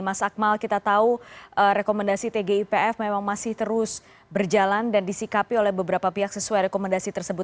mas akmal kita tahu rekomendasi tgipf memang masih terus berjalan dan disikapi oleh beberapa pihak sesuai rekomendasi tersebut